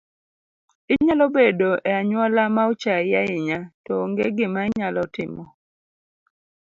Inyalo bedo e anyuola maochaii ahinya to ong’e gima inyalo timo